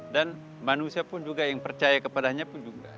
dan manusia pun juga yang percaya kepadanya pun juga